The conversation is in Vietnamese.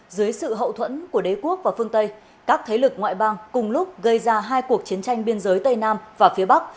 dưới sự hậu thuẫn của đế quốc và phương tây các thế lực ngoại bang cùng lúc gây ra hai cuộc chiến tranh biên giới tây nam và phía bắc